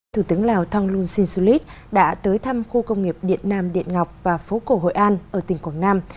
thủ tướng lào thonglun sinsulit đã tới thăm khu công nghiệp điện nam điện ngọc và phố cổ hội an ở tỉnh quảng nam